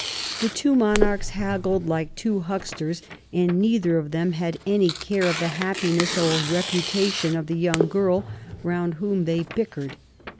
The two monarchs haggled like two hucksters, and neither of them had any care of the happiness or reputation of the young girl round whom they bickered.